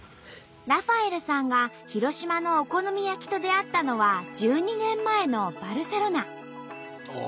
ラファエルさんが広島のお好み焼きと出会ったのは１２年前のバルセロナ。